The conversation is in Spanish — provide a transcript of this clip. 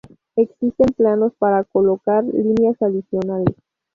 Existen planos para colocar líneas adicionales.